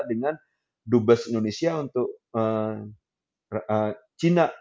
dengan dubes indonesia untuk cina